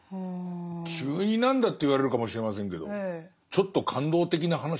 急に何だって言われるかもしれませんけどちょっと感動的な話ですね。